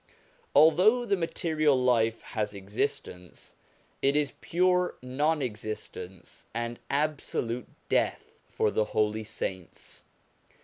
Although the material life has existence, it is pure non existence and absolute death for the holy saints.